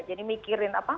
jadi mikirin apa